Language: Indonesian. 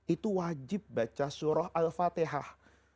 itu wajib baca surah al fatihah